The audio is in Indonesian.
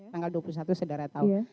tanggal dua puluh satu saudara tahu